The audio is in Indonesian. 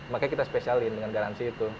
makanya kita special in dengan garansi itu